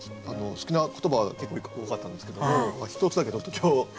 好きな言葉が結構多かったんですけども一つだけ今日。